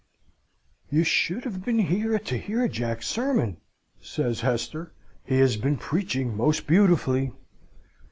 "'You should have been here to hear Jack's sermon!' says Hester. 'He has been preaching most beautifully.'